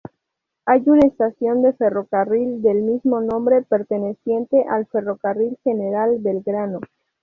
Hay una estación de ferrocarril del mismo nombre, perteneciente al Ferrocarril General Belgrano.